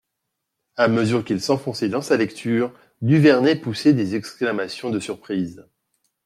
A mesure qu'il s'enfonçait dans sa lecture, Duvernet poussait des exclamations de surprise.